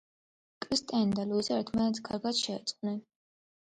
კრისტიანი და ლუიზა ერთმანეთს კარგად შეეწყვნენ.